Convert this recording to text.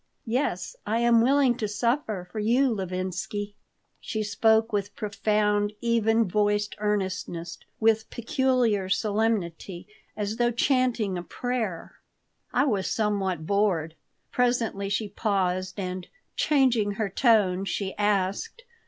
Yes, I am willing to suffer for you, Levinsky." She spoke with profound, even voiced earnestness, with peculiar solemnity, as though chanting a prayer. I was somewhat bored. Presently she paused, and, changing her tone, she asked.